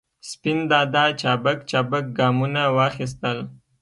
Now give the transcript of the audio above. سپین دادا چابک چابک ګامونه واخستل.